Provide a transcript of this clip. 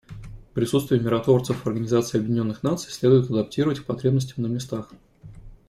Присутствие миротворцев Организации Объединенных Наций следует адаптировать к потребностям на местах.